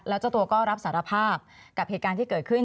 แล้วเจ้าตัวก็รับสารภาพกับเหตุการณ์ที่เกิดขึ้น